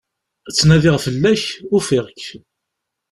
Ttnadiɣ fell-ak, ufiɣ-k.